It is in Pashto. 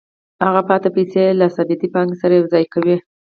هغه پاتې پیسې له ثابتې پانګې سره یوځای کوي